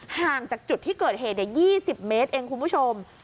ห่างจากจุดที่เกิดเหตุ๒๐เมตรเองคุณผู้ชม